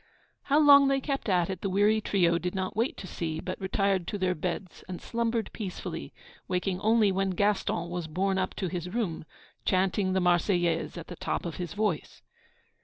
How long they kept it up the weary trio did not wait to see, but retired to their beds, and slumbered peacefully, waking only when Gaston was borne up to his room, chanting the 'Marseillaise' at the top of his voice.